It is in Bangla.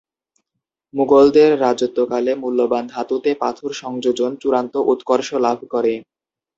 মুগলদের রাজত্বকালে মূল্যবান ধাতুতে পাথর সংযোজন চূড়ান্ত উৎকর্ষ লাভ করে।